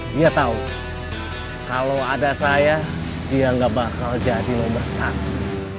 dia tahu kalau ada saya dia nggak bakal jadi nomor satu